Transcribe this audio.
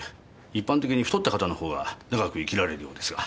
一般的に太った方のほうが長く生きられるようですが。